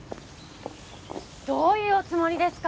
どういうおつもりですか？